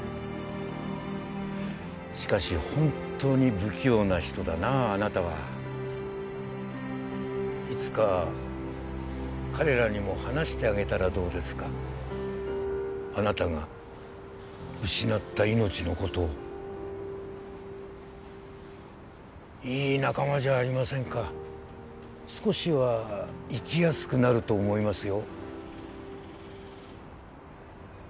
しかし本当に不器用な人だなあなたはいつか彼らにも話してあげたらどうですかあなたが失った命のことをいい仲間じゃありませんか少しは生きやすくなると思いますよ